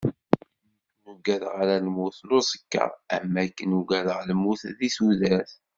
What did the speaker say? Nekk ur uggadeɣ ara lmut n uẓekka am wakken uggadeɣ lmut di tudert.